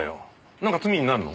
なんか罪になるの？